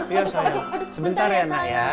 iya sayang sebentar ya anak ya